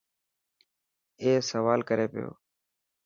اي سوال ڪري پيو.